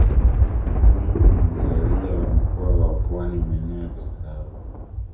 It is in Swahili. mwinyi ni mzalia wa mkoa wa pwani maeneo ya kisarawe